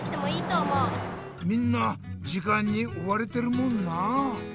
みんな時間におわれてるもんなあ。